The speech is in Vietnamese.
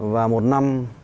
và một năm